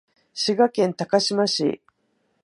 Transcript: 滋賀県高島市